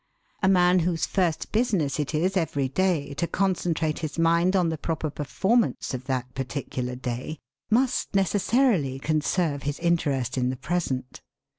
A man whose first business it is every day to concentrate his mind on the proper performance of that particular day, must necessarily conserve his interest in the present.